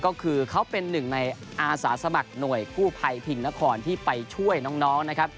ก็คือเขาเป็นหนึ่งในอาสาสมัครหน่วยกู้ภัยพิงนครที่ไปช่วยน้องนะครับ